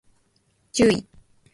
注意